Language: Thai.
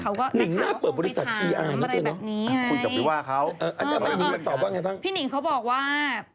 ขอตอบเขาบอกว่า